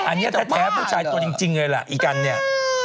อันนี้แท้ผู้ชายตัวจริงเลยล่ะอีกันเนี่ย